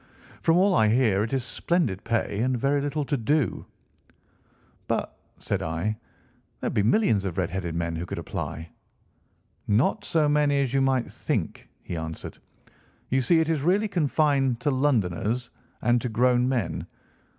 From all I hear it is splendid pay and very little to do.' "'But,' said I, 'there would be millions of red headed men who would apply.' "'Not so many as you might think,' he answered. 'You see it is really confined to Londoners, and to grown men.